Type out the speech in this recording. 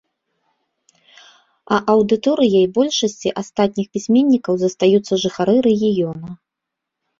А аўдыторыяй большасці астатніх пісьменнікаў застаюцца жыхары рэгіёна.